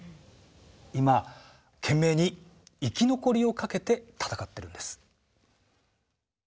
今懸命に生き残りをかけて闘ってるんです。